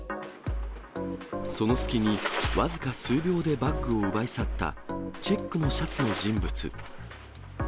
その隙に、僅か数秒でバッグを奪い去ったチェックのシャツの人物。